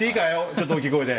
ちょっと大きい声で。